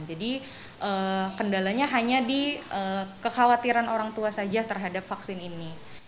jadi kendalanya hanya di kekhawatiran orang tua saja terhadap vaksin ini